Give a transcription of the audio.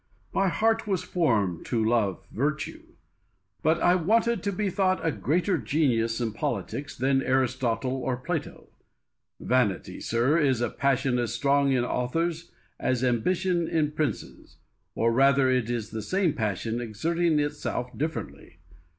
My heart was formed to love virtue. But I wanted to be thought a greater genius in politics than Aristotle or Plato. Vanity, sir, is a passion as strong in authors as ambition in princes, or rather it is the same passion exerting itself differently.